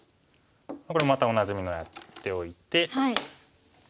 これもまたおなじみのをやっておいて。